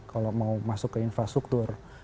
kalau mau masuk ke infrastruktur